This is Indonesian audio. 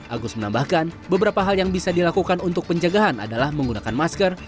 agus menambahkan beberapa hal yang bisa dilakukan untuk pencegahan adalah menggunakan masker